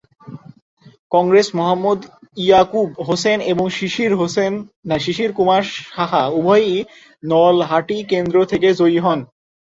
কংগ্রেসের মহম্মদ ইয়াকুব হোসেন এবং শিশির কুমার সাহা উভয়ই নলহাটি কেন্দ্র থেকে জয়ী হন।